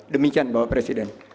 demikian bapak presiden